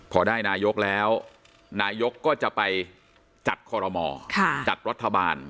พอได้นายกแล้วนายกก็จะไปจัดคอรมอจัดรัฐบาล